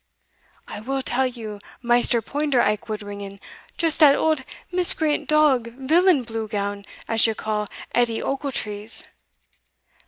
"I will tell you, Maister Poinder Aikwood Ringan, just dat old miscreant dog villain blue gown, as you call Edie Ochiltrees."